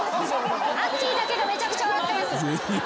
あっきーだけがめちゃくちゃ笑ってます。